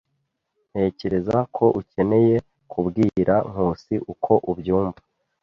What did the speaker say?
Ntekereza ko ukeneye kubwira Nkusi uko ubyumva.